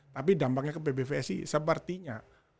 tapi dampaknya ke pbvsi sepertinya